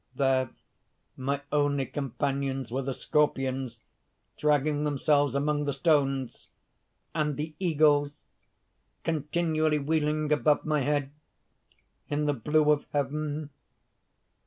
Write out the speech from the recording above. There my only companions were the scorpions dragging themselves among the stones, and the eagles continually wheeling above my head, in the blue of heaven.